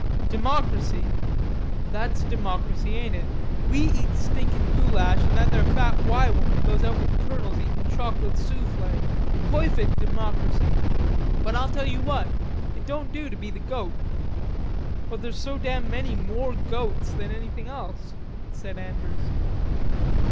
"Democracy.... That's democracy, ain't it: we eat stinkin' goolash an' that there fat 'Y' woman goes out with Colonels eatin' chawklate soufflay.... Poifect democracy!... But I tell you what: it don't do to be the goat." "But there's so damn many more goats than anything else," said Andrews.